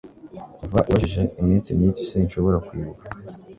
kuva ubajije, iminsi myinshi sinshobora kwibuka